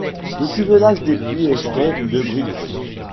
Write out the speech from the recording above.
Le cuvelage des puits est fait de briques.